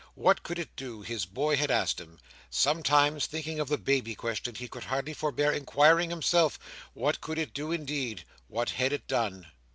What could it do, his boy had asked him. Sometimes, thinking of the baby question, he could hardly forbear inquiring, himself, what could it do indeed: what had it done?